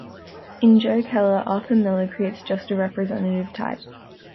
In Joe Keller, Arthur Miller creates just a representative type.